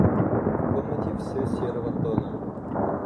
В комнате всё серого тона.